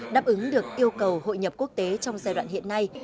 đáp ứng được yêu cầu hội nhập quốc tế trong giai đoạn hiện nay